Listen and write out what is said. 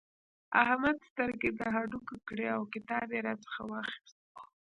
احمد سترګې د هډوکې کړې او کتاب يې راڅخه واخيست.